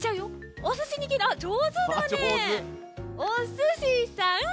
「おすしさん」。